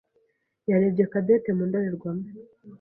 yarebye Cadette mu ndorerwamo.